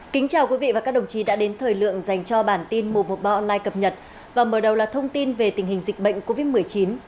xin chào quý vị và các đồng chí đã đến thời lượng dành cho bản tin mùa bộ online cập nhật và mở đầu là thông tin về tình hình dịch bệnh covid một mươi chín